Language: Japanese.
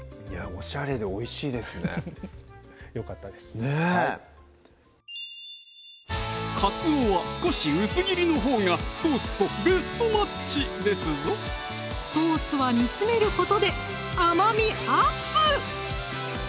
おしゃれでおいしいですねよかったですねぇカツオは少し薄切りのほうがソースとベストマッチですぞソースは煮詰めることで甘みアップ！